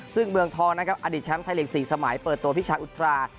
ซึ่งเมืองทองนั้นอดิฉันท์ไทยลีกสี่สมัยเปิดตัวพิชาอุทรา